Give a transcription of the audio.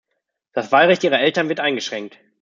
Das Wahlrecht ihrer Eltern wird eingeschränkt.